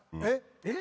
・えっ？